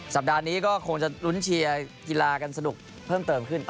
สัปดาห์นี้ก็คงจะลุ้นเชียร์กีฬากันสนุกเพิ่มเติมขึ้น